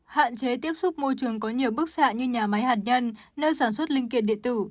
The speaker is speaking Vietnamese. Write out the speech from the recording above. hạn chế tiếp xúc môi trường có nhiều bức xạ như nhà máy hạt nhân nơi sản xuất linh kiện điện tử